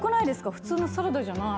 普通のサラダじゃない。